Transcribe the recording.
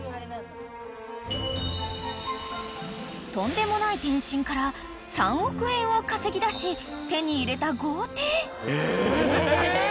［とんでもない転身から３億円を稼ぎだし手に入れた豪邸］